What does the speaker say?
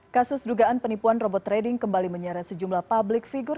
kasus dugaan penipuan robot trading kembali menyeret sejumlah publik figur